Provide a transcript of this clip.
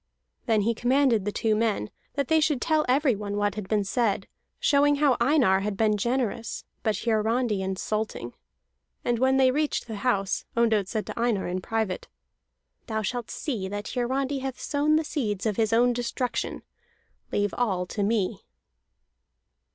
Then he commanded the two men that they should tell everyone what had been said, showing how Einar had been generous, but Hiarandi insulting. And when they reached the house, Ondott said to Einar in private: "Thou shalt see that Hiarandi hath sown the seeds of his own destruction. Leave all to me."